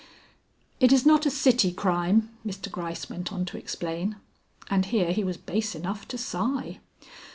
"It is not a city crime," Mr. Gryce went on to explain, and here he was base enough to sigh.